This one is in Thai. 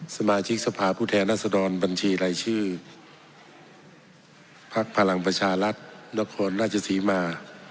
สมาชิกสภาพูดแท้นัศดรบัญชีไรชื่อพรรณประชารัฐนครราชสีมา